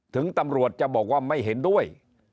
ถึงตำรวจจะบอกว่าไม่เห็นด้วย